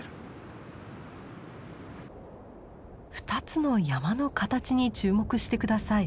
２つの山の形に注目して下さい。